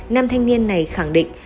nam thanh niên này khẳng định